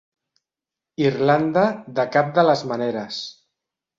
Irlanda de cap de les maneres.